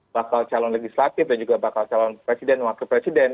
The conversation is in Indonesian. bakal calon legislatif dan juga bakal calon presiden dan wakil presiden